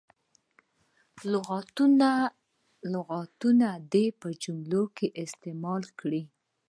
لغتونه دې په جملو کې استعمال کړي.